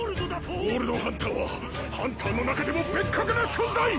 ・ゴールドハンターはハンターの中でも別格の存在・